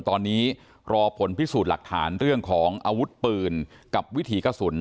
ตอนนี้รอผลพิสูจน์หลักฐานเรื่องของอาวุธปืนกับวิถีกระสุน